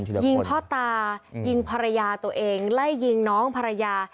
ยิงพ่อตายิงภรรยาตัวเองไล่ยิงน้องภรรยา